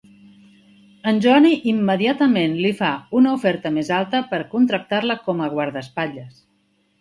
En Johnny immediatament li fa una oferta més alta per a contractar-la com a guardaespatlles.